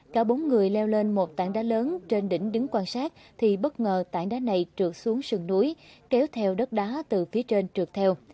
cả bốn người leo lên một tảng đá lớn trên đỉnh đứng quan sát thì bất ngờ tảng đá này trượt xuống sườn núi kéo theo đất đá từ phía trên trượt theo